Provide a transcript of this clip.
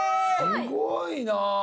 すごいなぁ。